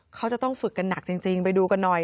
เขาจะต้องฝึกกันหนักจริงไปดูกันหน่อย